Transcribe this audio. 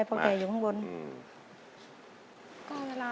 ลำตอนเร็ว